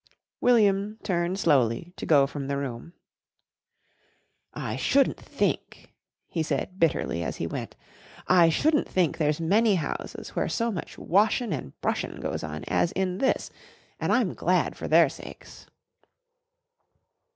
William turned slowly to go from the room. "I shouldn't think," he said bitterly, as he went, "I shouldn't think there's many houses where so much washin' and brushin' goes on as in this, an' I'm glad for their sakes."